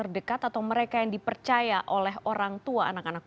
dan ini hanya sebagian